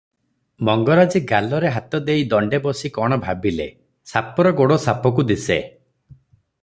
ମଙ୍ଗରାଜେ ଗାଲରେ ହାତ ଦେଇ ଦଣ୍ତେ ବସି କଣ ଭାବିଲେ, ସାପର ଗୋଡ଼ ସାପକୁ ଦିଶେ ।